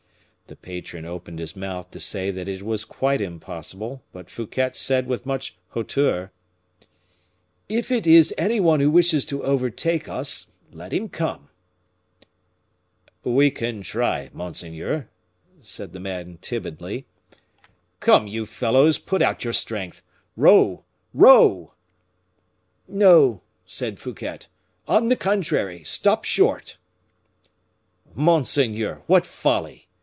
The patron opened his mouth to say that it was quite impossible, but Fouquet said with much hauteur, "If it is any one who wishes to overtake us, let him come." "We can try, monseigneur," said the man, timidly. "Come, you fellows, put out your strength; row, row!" "No," said Fouquet, "on the contrary; stop short." "Monseigneur! what folly!"